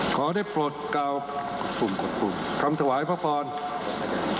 ขอได้ปลดกล่าวคำถวายพระพรพร้อมกัน